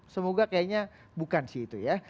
semoga kayaknya bukan sih itu ya